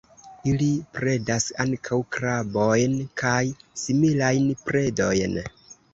Ili predas ankaŭ krabojn kaj similajn predojn.